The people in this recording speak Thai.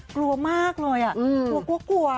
กลัวมากเลยกลัวกลัว